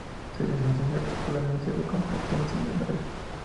Se licenció en Derecho por la Universidad Complutense de Madrid.